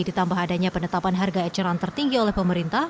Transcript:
ditambah adanya penetapan harga eceran tertinggi oleh pemerintah